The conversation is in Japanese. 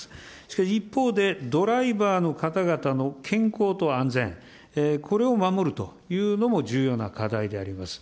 しかし、一方で、ドライバーの方々の健康と安全、これを守るというのも重要な課題であります。